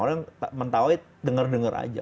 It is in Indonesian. orang mentawai denger denger aja